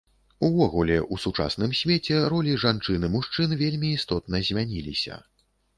Увогуле, у сучасным свеце ролі жанчын і мужчын вельмі істотна змяніліся.